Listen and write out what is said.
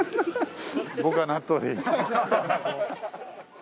僕は納豆でいい。